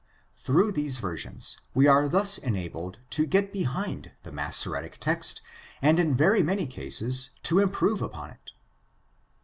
Through these versions we are thus enabled to get behind the Massoretic text and in very many cases to improve upon it.